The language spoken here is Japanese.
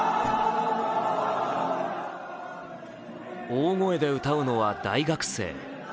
大声で歌うのは大学生。